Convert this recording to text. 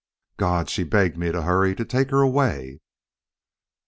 "God!... She begged me to hurry to take her away."